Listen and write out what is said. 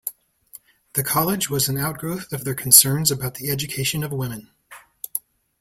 The college was an outgrowth of their concerns about the education of women.